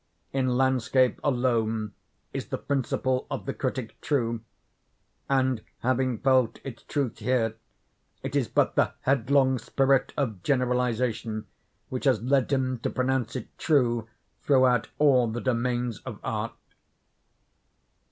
In landscape alone is the principle of the critic true; and, having felt its truth here, it is but the headlong spirit of generalization which has led him to pronounce it true throughout all the domains of art.